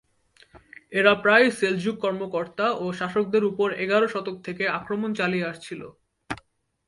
এরা প্রায়ই সেলজুক কর্মকর্তা ও শাসকদের উপর এগার শতক থেকে আক্রমণ চালিয়ে আসছিল।